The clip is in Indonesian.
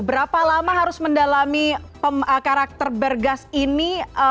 berapa lama harus mendalami karakter bergas ini